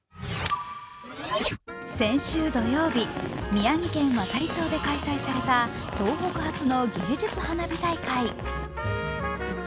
先週土曜日、宮城県亘理町で開催された東北初の芸術花火大会。